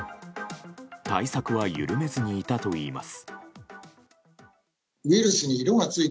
対策は緩めずにいたといいます。